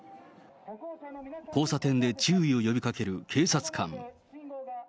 交差点で注意を呼びかける警察官。